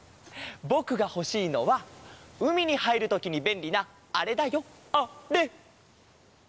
ぼくがほしいのはうみにはいるときにべんりなあれだよあれ！